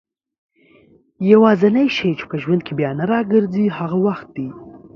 يوازينی شی چي په ژوند کي بيا نه راګرځي هغه وخت دئ